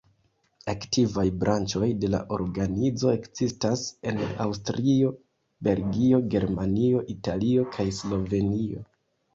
Aktivaj branĉoj de la organizo ekzistas en Aŭstrio, Belgio, Germanio, Italio kaj Slovenio.